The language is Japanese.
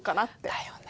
だよね。